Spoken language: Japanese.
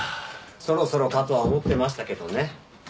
そろそろかとは思ってましたけどね。